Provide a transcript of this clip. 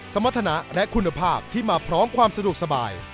สมรรถนะและคุณภาพที่มาพร้อมความสะดวกสบาย